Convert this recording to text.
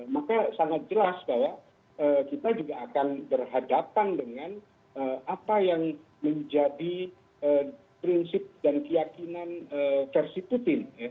maka sangat jelas bahwa kita juga akan berhadapan dengan apa yang menjadi prinsip dan keyakinan versi putin